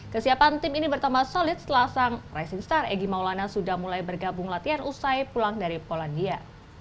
kesiapan tim ini bertambah solid setelah sang racing star egy maulana sudah mulai bergabung latihan usai pulang dari polandia